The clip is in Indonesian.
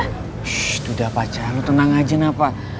shhh udah apa caranya lu tenang aja kenapa